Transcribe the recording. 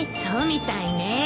そうみたいね。